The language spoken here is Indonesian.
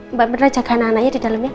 mbak berna jagain anak anaknya di dalamnya